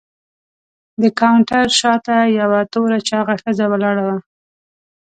د کاونټر شاته یوه توره چاغه ښځه ولاړه وه.